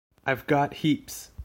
I've got heaps.